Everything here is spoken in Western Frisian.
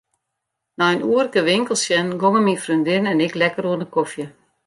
Nei in oerke winkels sjen gongen myn freondinne en ik lekker oan 'e kofje.